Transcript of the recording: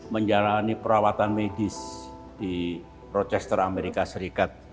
menjalani perawatan medis di rochester amerika serikat